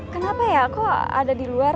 kenapa ya kok ada di luar